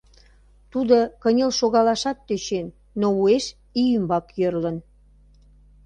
Тудо кынел шогалашат тӧчен, но уэш ий ӱмбак йӧрлын.